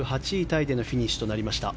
タイでのフィニッシュとなりました。